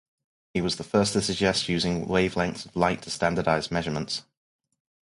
He was the first to suggest using wavelengths of light to standardise measurements.